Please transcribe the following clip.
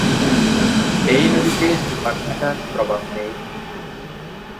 এ নদীতে জোয়ার-ভাটার প্রভাব নেই।